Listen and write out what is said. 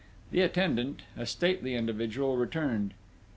The attendant a stately individual returned.